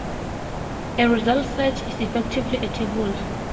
A result set is effectively a table.